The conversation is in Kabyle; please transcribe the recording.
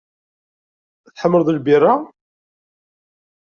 Tḥemmleḍ lbira?